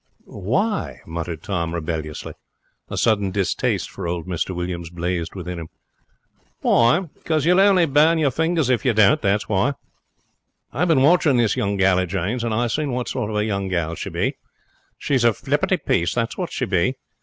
'Why?' muttered Tom, rebelliously. A sudden distaste for old Mr Williams blazed within him. 'Why? 'Cos you'll only burn your fingers if you don't, that's why. I been watching this young gal of Jane's, and I seen what sort of a young gal she be. She's a flipperty piece, that's what she be.